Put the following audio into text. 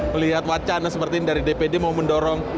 melihat wacana seperti ini dari dpd mau mendorong